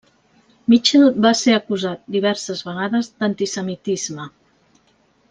Mitchell va ser acusat diverses vegades d'antisemitisme.